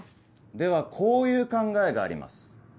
ではこういう考えがあります。